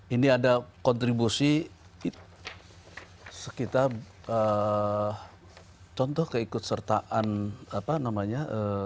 ini ada kontribusi sekitar contoh keikutsertaan apa namanya